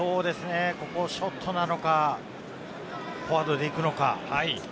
ショットなのか、フォワードで行くのか。